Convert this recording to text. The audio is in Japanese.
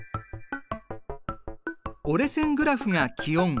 折れ線グラフが気温。